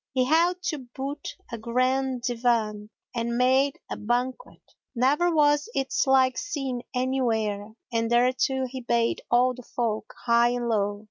He held to boot a grand Divan and made a banquet, never was its like seen anywhere and thereto he bade all the folk, high and low.